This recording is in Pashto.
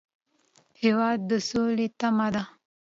هېواد د سولې تمه ده.